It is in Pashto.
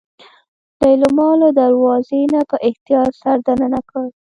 ليلما له دروازې نه په احتياط سر دننه کړ.